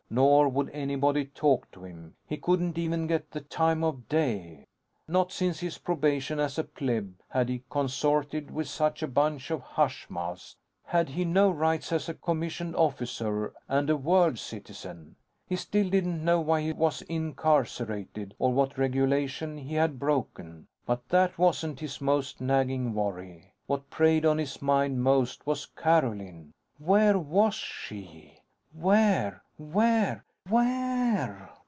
Nor would anybody talk to him. He couldn't even get the time of day. Not since his probation as a plebe, had he consorted with such a bunch of "hush mouths." Had he no rights as a commissioned officer and a world citizen? He still didn't know why he was incarcerated, or what regulation he had broken. But that wasn't his most nagging worry. What preyed on his mind most was Carolyn. Where was she? _Where? Where? WHERE?